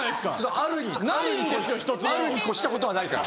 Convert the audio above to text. あるに越したことはないから。